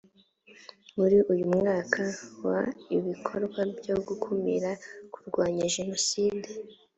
muri uyu mwaka wa ibikorwa byo gukumira kurwanya jenoside